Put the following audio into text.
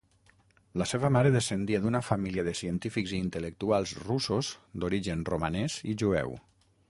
La seva mare descendia d'una família de científics i intel·lectuals russos d'origen romanès i jueu.